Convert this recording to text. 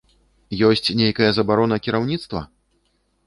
Ёсць нейкая забарона кіраўніцтва?